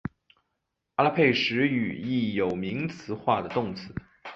阿拉佩什语亦有名词化的动词。